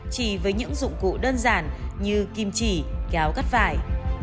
chỉ với những dụng cụ đơn giản như kim chỉ kéo cắt vải